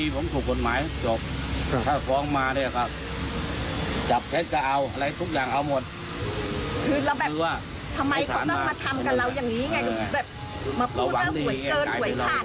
สนุนโดยสายการบินไทยนครหัวท้องเสียขับลมแน่นท้องเสียขับลมแน่นท้องเสีย